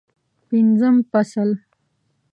پنځم فصل